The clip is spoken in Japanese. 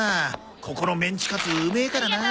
ここのメンチカツうめえからなあ。